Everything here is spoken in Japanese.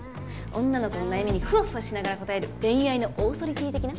女の子の悩みにフワフワしながら答える恋愛のオーソリティー的な。